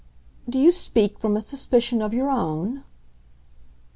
"Do you speak from a suspicion of your own?"